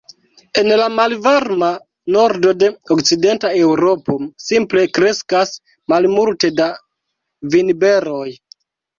En la malvarma nordo de okcidenta Eŭropo simple kreskas malmulte da vinberoj.